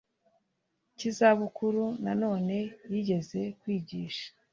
cy iza bukuru Nanone yigeze kwigisha